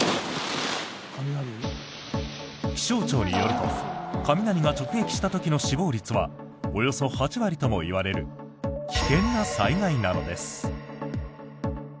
気象庁によると雷が直撃した時の死亡率はおよそ８割ともいわれる危険な災害なのです。